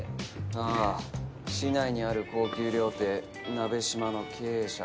ああ市内にある高級料亭「なべしま」の経営者。